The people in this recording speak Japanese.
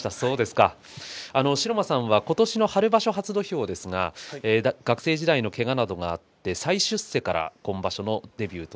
城間さんは今年の春場所初土俵ですが学生時代のけがなどがあって再出世から今場所のデビューと